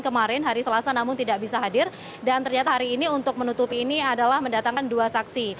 kemarin hari selasa namun tidak bisa hadir dan ternyata hari ini untuk menutupi ini adalah mendatangkan dua saksi